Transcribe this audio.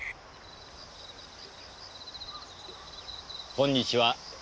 こんにちは。